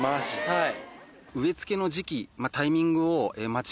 はい。